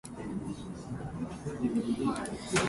あなたとならいつでもどこでも幸せです